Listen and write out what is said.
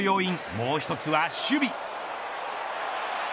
もう１つは守備。